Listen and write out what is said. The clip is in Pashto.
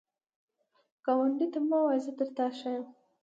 ګاونډي ته مه وایه “زه تر تا ښه یم”